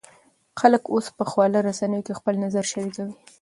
خلک اوس په خواله رسنیو کې خپل نظر شریکوي.